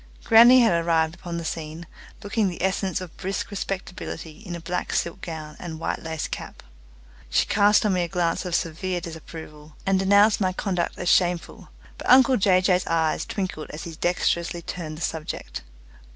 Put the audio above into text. Grannie had arrived upon the scene, looking the essence of brisk respectability in a black silk gown and a white lace cap. She cast on me a glance of severe disapproval, and denounced my conduct as shameful; but uncle Jay Jay's eyes twinkled as he dexterously turned the subject.